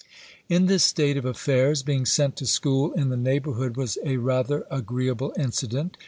In this state of affairs, being sent to school in the neighbourhood, was a rather agreeable incident.